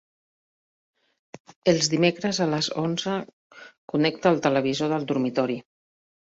Els dimecres a les onze connecta el televisor del dormitori.